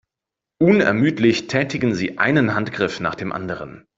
Unermüdlich tätigen sie einen Handgriff nach dem anderen.